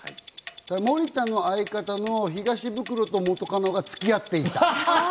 森田の相方の東ブクロと元カノが付き合っていた。